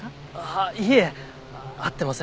ああいえ会ってません。